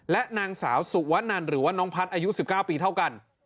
และนางสาวสุวนันหรือว่าน้องพัฒน์อายุ๑๙ปีเท่ากัน